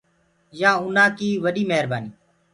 يآ اُنآ ڪي وڏي مهرنآنيٚ۔